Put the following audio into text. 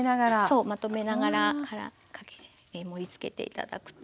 そうまとめながら盛りつけて頂くといいかな。